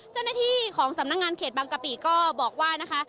เจ้าหน้าที่ของสำนักงานเขตบางกะปิก็บอกว่านะคะ